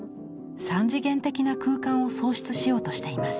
３次元的な空間を創出しようとしています。